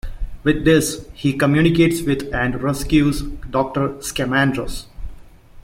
With this, he communicates with and rescues Doctor Scamandros.